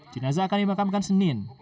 jenazah akan dimakamkan senin